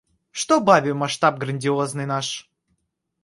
Что бабе масштаб грандиозный наш?!